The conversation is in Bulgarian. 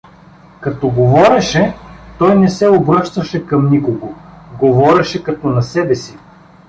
Като говореше, той не се обръщаше към никого, говореше като на себе си.